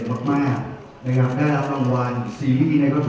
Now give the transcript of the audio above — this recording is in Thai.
เพราะว่างานที่เขากำลังมาปีก่อนมีทั้ง๓ตัว